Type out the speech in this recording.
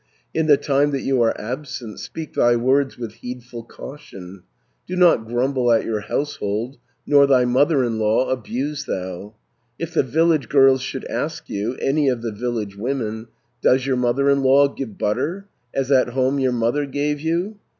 In the time that you are absent, Speak thy words with heedful caution, Do not grumble at your household, Nor thy mother in law abuse thou. "If the village girls should ask you, Any of the village women, 'Does your mother in law give butter, As at home your mother gave you?'